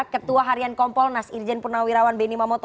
ketua harian kompol nasirjen purnawirawan beni mamoto